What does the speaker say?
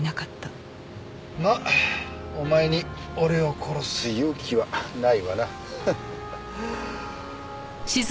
まあお前に俺を殺す勇気はないわな。